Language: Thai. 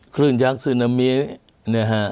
คลื่นยักษ์ซูนามิเนี่ยฮะ